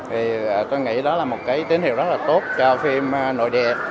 thì tôi nghĩ đó là một cái tín hiệu rất là tốt cho phim nội địa